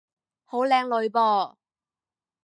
好靚女噃